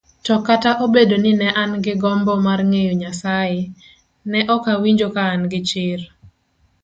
To kata obedo ni nean gi gombo marng'eyo Nyasaye, ne okawinj kaan gichir